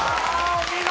お見事！